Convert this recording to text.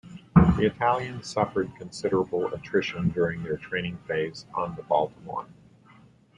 The Italians suffered considerable attrition during their training phase on the Baltimore.